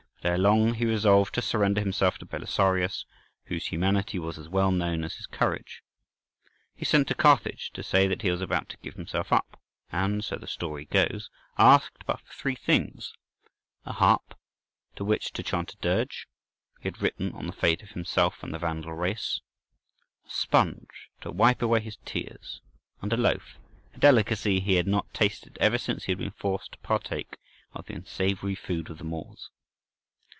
But ere long he resolved to surrender himself to Belisarius, whose humanity was as well known as his courage. He sent to Carthage to say that he was about to give himself up, and—so the story goes—asked but for three things: a harp, to which to chant a dirge he had written on the fate of himself and the Vandal race; a sponge, to wipe away his tears; and a loaf, a delicacy he had not tasted ever since he had been forced to partake of the unsavoury food of the Moors!